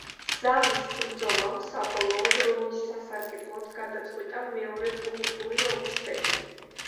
ზამის ბრძოლამ საბოლოოდ რომის სასარგებლოდ გადაწყვიტა მეორე პუნიკური ომის ბედი.